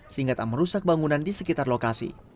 sehingga tak merusak bangunan di sekitar lokasi